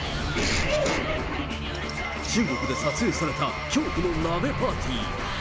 中国で撮影された恐怖の鍋パーティー。